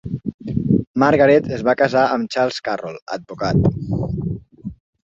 Margaret es va casar amb Charles Carroll, advocat.